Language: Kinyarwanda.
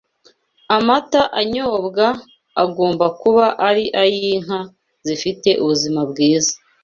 Amata anyobwa agomba kuba ari ay’inka zifite ubuzima bwiza